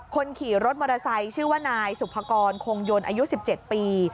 คนขี่รถมอเตอร์ไซค์ชื่อว่านายสุภกรคงยนต์อายุ๑๗ปี